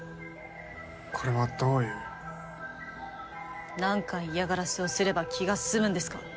これはどういう何回嫌がらせをすれば気が済むんですか？